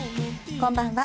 こんばんは。